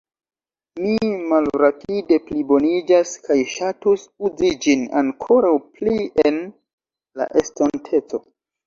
Mi malrapide pliboniĝas kaj ŝatus uzi ĝin ankoraŭ pli en la estonteco.